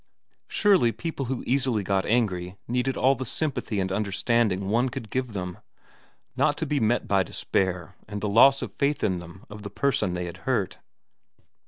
Surely people who easily got angry needed all the sym pathy and understanding one could give them, not to be met by despair and the loss of faith in them of the person they had hurt.